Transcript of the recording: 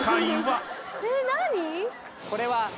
これは。